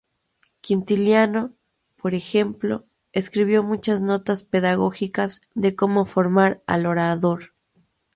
Quintiliano, por ejemplo, escribió muchas notas pedagógicas de cómo formar al orador.